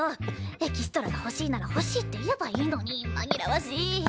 エキストラが欲しいなら欲しいって言えばいいのに紛らわしい！